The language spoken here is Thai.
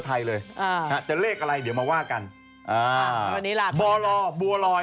แล้วจะเลขอะไรเพราะใช่หรอ